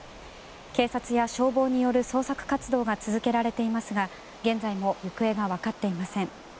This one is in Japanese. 警察や消防による捜索活動が続けられていますが現在も行方が分かっていません。